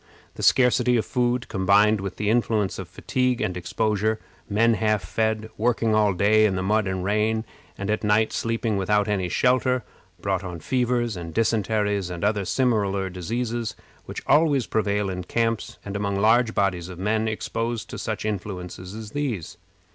The scarcity of food, combined with the influence of fatigue and exposure men half fed, working all day in the mud and rain, and at night sleeping without any shelter brought on fevers and dysenteries, and other similar diseases, which always prevail in camps, and among large bodies of men exposed to such influences as these.